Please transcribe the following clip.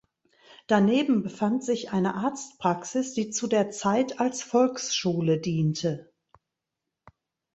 Daneben befand sich eine Arztpraxis, die zu der Zeit als Volksschule diente.